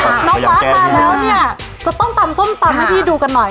น้องฟ้าตายแล้วเนี่ยจะต้องตำส้มตำให้พี่ดูกันหน่อย